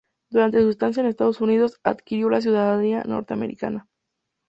Durante su estancia en Estados Unidos adquirió la ciudadanía norteamericana.